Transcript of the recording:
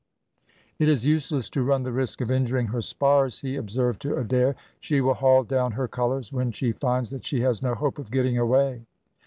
"It is useless to run the risk of injuring her spars," he observed to Adair; "she will haul down her colours when she finds that she has no hope of getting away."